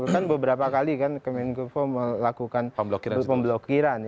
kan beberapa kali kan kemenko melakukan pemblokiran